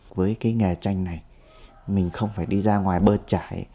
với cái nghề tranh này mình không phải đi ra ngoài bơ trải